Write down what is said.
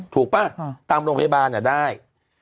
ถูกป่ะตามโรงพยาบาลน่ะได้